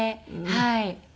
はい。